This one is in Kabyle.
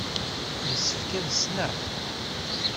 Yessefk ad t-ssneɣ?